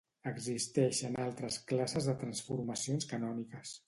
Existeixen altres classes de transformacions canòniques.